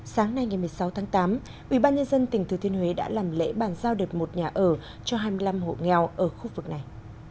sáng nay ngày một mươi sáu tháng tám ubnd tỉnh thừa thiên huế đã làm lễ bàn giao đợt một nhà ở cho hai mươi năm hộ nghèo ở khu vực này